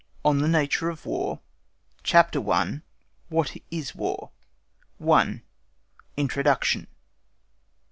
ON THE NATURE OF WAR CHAPTER I. What is War? 1. INTRODUCTION.